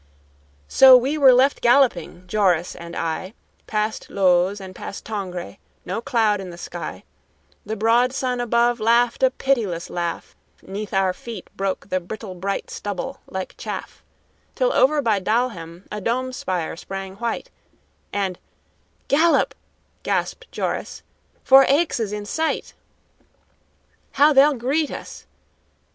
So, we were left galloping, Joris and I, Past Looz and past Tongres, no cloud in the sky; The broad sun above laughed a pitiless laugh, 'Neath our feet broke the brittle bright stubble like chaff; Till over by Dalhem a dome spire sprang white, And "Gallop," gasped Joris, "for Aix is in sight!" "How they'll greet us!"